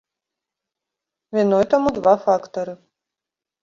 Віной таму два фактары.